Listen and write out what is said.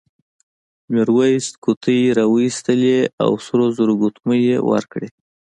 میرويس قوطۍ راوایستې او سرو زرو ګوتمۍ یې ورکړې.